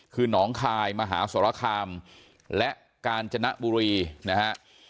คือหนองคายมหาสรคามและกาญจนบุรีนะฮะ